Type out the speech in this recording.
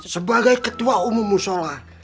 sebagai ketua umum musyola